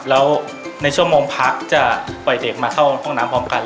แล้วในชั่วโมงพระจะปล่อยเด็กมาเข้าห้องน้ำพร้อมกัน